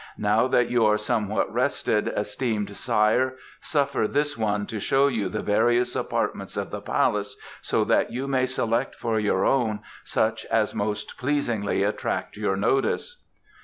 "Now that you are somewhat rested, esteemed sire, suffer this one to show you the various apartments of the palace so that you may select for your own such as most pleasingly attract your notice."